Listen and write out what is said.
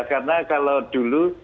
karena kalau dulu